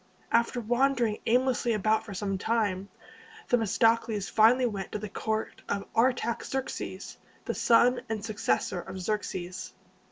After wandering aimlessly about for some time, Themistocles finally went to the court of Ar tax erx´es, the son and successor of Xerxes.